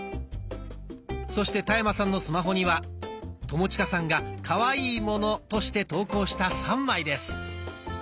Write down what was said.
そして田山さんのスマホには友近さんが「可愛いもの」として投稿した３枚です。